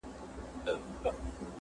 که هر څو ښراوي وکړې زیارت تاته نه رسیږي-